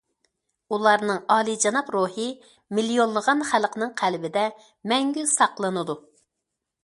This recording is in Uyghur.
ئۇلارنىڭ ئالىيجاناب روھى مىليونلىغان خەلقنىڭ قەلبىدە مەڭگۈ ساقلىنىدۇ!